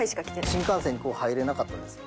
新幹線入れなかったです。